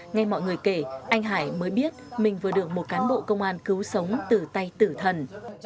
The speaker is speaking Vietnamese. ngay mọi người kể anh hải mới biết mình vừa được một cán bộ công an cứu sống từ tay tử thần